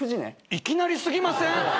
いきなり過ぎません？